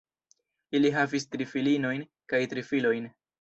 Ili havis tri filinojn kaj tri filojn.